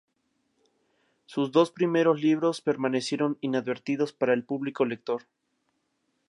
Sus dos primeros libros permanecieron inadvertidos para el público lector.